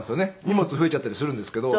荷物増えちゃったりするんですけど。